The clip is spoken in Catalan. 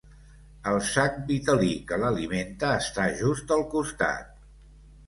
El sac vitel·lí que l'alimenta està just al costat.